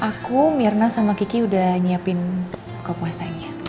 aku mirna sama kiki udah nyiapin buka puasanya